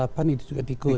jadi juga tikus